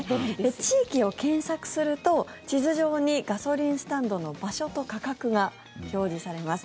地域を検索すると、地図上にガソリンスタンドの場所と価格が表示されます。